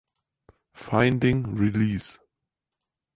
Finding release.